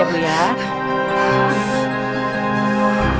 ayo ibu terus ibu